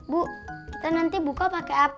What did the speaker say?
bu kita nanti buka pakai apa